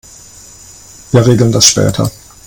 Wir regeln das später.